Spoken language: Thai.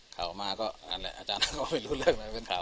ข่าวมาก็นั่นแหละอาจารย์ท่านก็ไม่รู้เรื่องอะไรเป็นข่าว